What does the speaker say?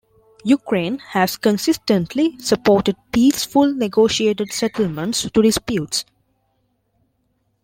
Ukraine has consistently supported peaceful, negotiated settlements to disputes.